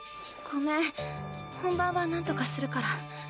ごめん本番はなんとかするから。